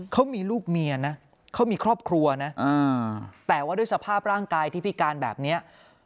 เขามีลูกเมียนะเขามีครอบครัวนะแต่ว่าด้วยสภาพร่างกายที่พิการแบบนี้